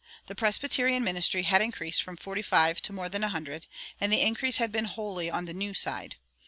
The Presbyterian ministry had increased from forty five to more than a hundred; and the increase had been wholly on the "New Side."